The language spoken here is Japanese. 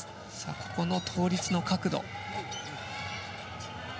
ここの倒立の角度。